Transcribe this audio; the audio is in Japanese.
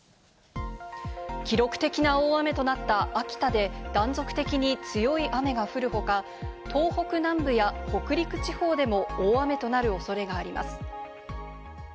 記録的な大雨となった秋田で断続的に強い雨が降る他、東北南部や北陸地方でも大雨となる恐れがあります。